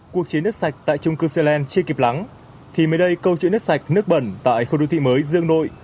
cuộc chiến nước sạch tại trung cư xe len chưa kịp lắng thì mới đây câu chuyện nước sạch nước bẩn tại khu đô thị mới dương nội